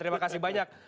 terima kasih banyak